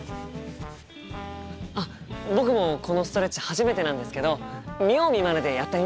あっ僕もこのストレッチ初めてなんですけど見よう見まねでやってみます。